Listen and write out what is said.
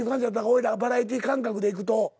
おいらバラエティー感覚でいくと。